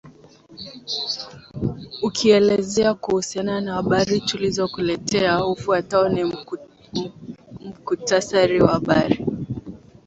ukielezea kuhusiana na habari tulizo kuletea ufwatao ni mkutasari wa habari